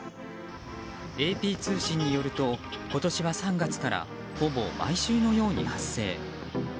ＡＰ通信によると今年は３月からほぼ毎週のように発生。